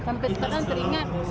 sampai sekarang teringat